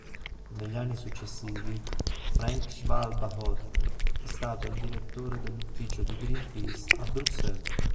Negli anni successivi, Frank Schwalba-Hoth è stato il direttore dell'ufficio di Greenpeace a Bruxelles.